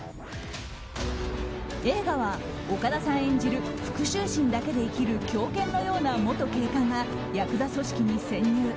映画は、岡田さん演じる復讐心だけで生きる狂犬のような元警官がヤクザ組織に潜入。